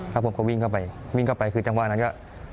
แล้วผมก็วิ่งเข้าไปวิ่งเข้าไปคือจังหวะนั้นก็